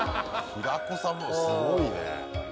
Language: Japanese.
平子さんもすごいね。